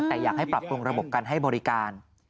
แต่อยากให้ปรับปรุงระบบการให้บริการ